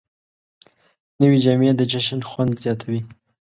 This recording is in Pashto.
نوې جامې د جشن خوند زیاتوي